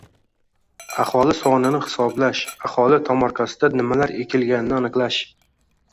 aholi sonini hisoblash, aholi tomorqasida nimalar ekilganini aniqlash...